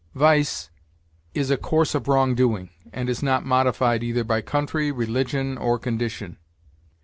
Vice is a course of wrong doing, and is not modified either by country, religion, or condition.